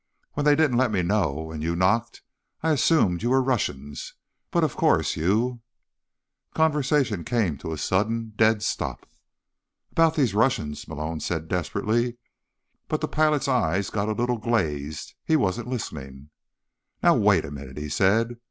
When they didn't let me know, and you knocked, I assumed you were Russians. But, of course, you—" Conversation came to a sudden dead stop. "About these Russians—" Malone said desperately. But the pilot's eyes got a little glazed. He wasn't listening. "Now, wait a minute," he said.